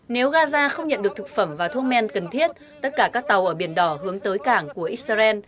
nếu gaza không nhận được thực phẩm và thuốc men cần thiết tất cả các tàu ở biển đỏ hướng tới cảng của israel